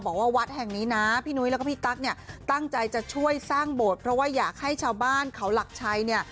วัดแห่งนี้นะพี่นุ้ยแล้วก็พี่ตั๊กเนี่ยตั้งใจจะช่วยสร้างโบสถ์เพราะว่าอยากให้ชาวบ้านเขาหลักชัยเนี่ย